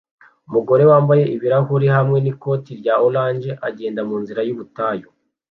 Umugore wambaye ibirahuri hamwe n'ikoti rya orange agenda munzira y'ubutayu